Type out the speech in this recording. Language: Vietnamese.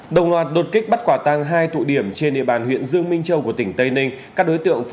đồng loạt đột kích bắt quả tăng hai tụ điểm trên địa bàn huyện dương minh châu của tỉnh tây ninh